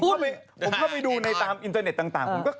เข้าไปผมเข้าไปดูในตามอินเทอร์เน็ตต่าง